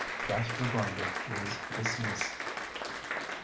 JASPER GRINDER IS DISMISSED.